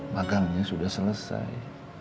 magangnya sudah selesai